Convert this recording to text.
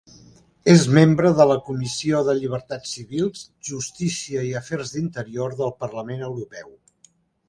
És membre de la Comissió de Llibertats Civils, Justícia i Afers d'Interior del Parlament Europeu.